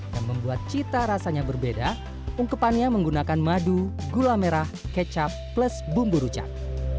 yang membuat cita rasanya berbeda ungkepannya menggunakan madu gula merah kecap plus bumbu rujak